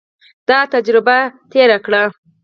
دا تجربه تېره کړي.